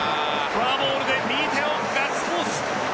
フォアボールで右手をガッツポーズ。